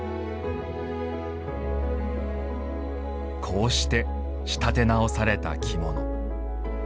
こうして仕立て直された着物。